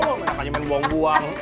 kenapa nyemin buang buang